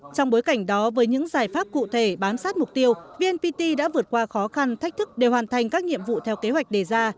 trong bối cảnh đó với những giải pháp cụ thể bám sát mục tiêu vnpt đã vượt qua khó khăn thách thức để hoàn thành các nhiệm vụ theo kế hoạch đề ra